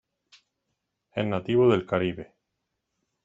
Es nativo del Caribe.